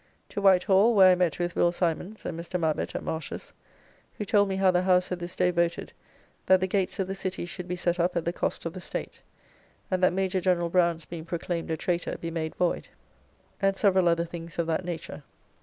To White Hall, where I met with Will. Simons and Mr. Mabbot at Marsh's, who told me how the House had this day voted that the gates of the City should be set up at the cost of the State. And that Major General Brown's being proclaimed a traitor be made void, and several other things of that nature.